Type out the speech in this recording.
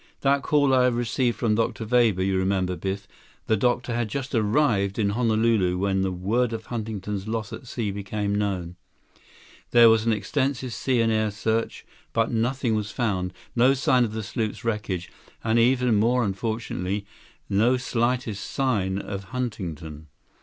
That call I received from Dr. Weber—you remember, Biff. The doctor had just arrived in Honolulu when word of Huntington's loss at sea became known. There was an extensive sea and air search, but nothing was found, no sign of the sloop's wreckage, and, even more unfortunately, no slightest sign of Huntington."